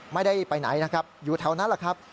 ไม่ได้ไปไหนนะครับอยู่แถวนั้นแหละครับ